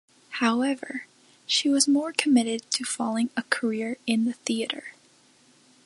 However, she was more committed to following a career in the theater.